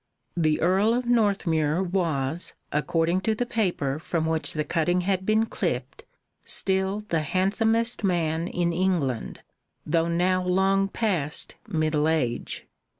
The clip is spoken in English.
The Earl of Northmuir was, according to the paper from which the cutting had been clipped, still the handsomest man in England, though now long past middle age.